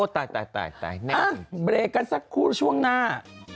แต่เลขกันช่วงหน้า